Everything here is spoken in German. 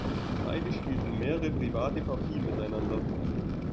Beide spielten mehrere private Partien miteinander.